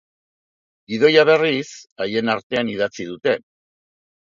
Gidoia, berriz, bien artean idatzi dute.